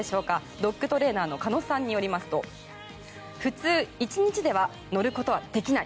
ドッグトレーナーの鹿野さんによりますと普通、１日では乗ることはできない。